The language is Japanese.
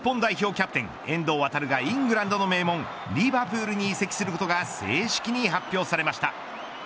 キャプテン遠藤航がイングランドの名門リヴァプールに移籍することが正式に発表されました。